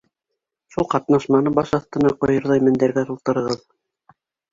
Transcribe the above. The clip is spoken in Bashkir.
Шул ҡатнашманы баш аҫтына ҡуйырҙай мендәргә тултырығыҙ.